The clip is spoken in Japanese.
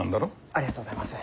ありがとうございます。